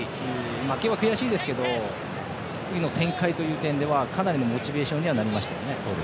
負けは悔しいですけど展開という点ではかなりのモチベーションにはなりましたよね。